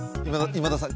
今田さん